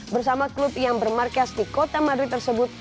bersama klub yang bermarkas di kota madrid tersebut